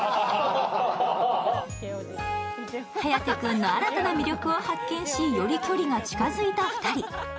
颯君の新たな魅力を発見し、より距離が近づいた２人。